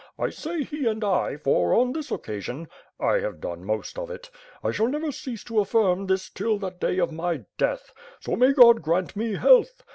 I say, he and I, for on this occasion — I have done most of it. I shall never cease to affirm this till the day of my death. So may God grant me health.